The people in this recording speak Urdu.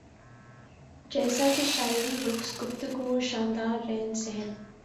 جیسا کہ شاعری رقص گفتگو اور شاندار رہن سہن